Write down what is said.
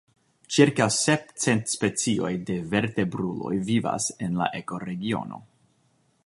Ĉirkaŭ sep cent specioj de vertebruloj vivas en la ekoregiono.